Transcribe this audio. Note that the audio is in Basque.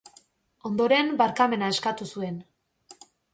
Ondoren, barkamena eskatu zuen.